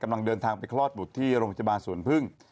กำลังเดินทางไปคลอดบุตรที่โรงพยาบาลสวนพึ่ง